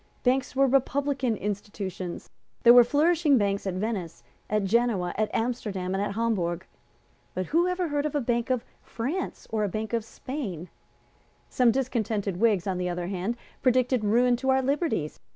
Banks were republican institutions. There were flourishing banks at Venice, at Genoa, at Amsterdam and at Hamburg. But who had ever heard of a Bank of France or a Bank of Spain? Some discontented Whigs, on the other hand, predicted ruin to our liberties.